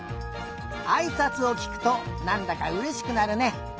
あいさつをきくとなんだかうれしくなるね。